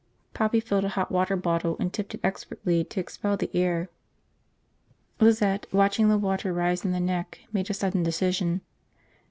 Poppy filled a hot water bottle and tipped it expertly to expel the air. Lizette, watching the water rise in the neck, made a sudden decision.